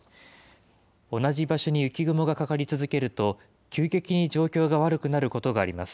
同じ場所に雪雲がかかり続けると、急激に状況が悪くなることがあります。